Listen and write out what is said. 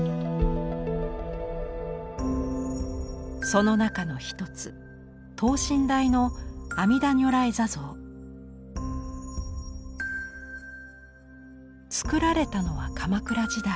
その中の一つ等身大のつくられたのは鎌倉時代。